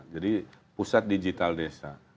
jadi pusat digital desa